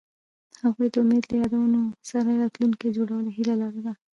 هغوی د امید له یادونو سره راتلونکی جوړولو هیله لرله.